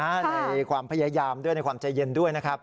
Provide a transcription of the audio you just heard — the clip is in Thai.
ในความพยายามด้วยในความใจเย็นด้วยนะครับ